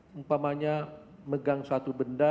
mumpamanya megang suatu benda